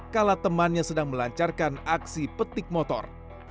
kalau temannya sedang melancarkan aksi petik motor